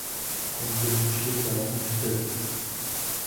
Ko‘ngilxushlik davom etdi.